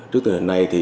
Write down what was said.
trước thời hình này